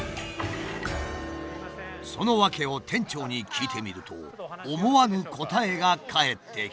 その訳を店長に聞いてみると思わぬ答えが返ってきた。